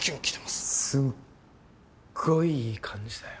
すっごいいい感じだよ。